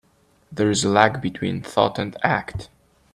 There is a lag between thought and act.